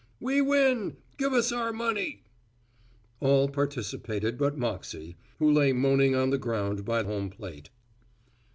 "We win. Give us our money." All participated but Moxey, who lay moaning on the ground by the home plate.